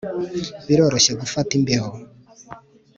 Biroroshye gufata imbeho